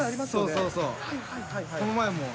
そうそうそう。